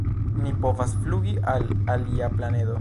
"Ni povas flugi al alia planedo!"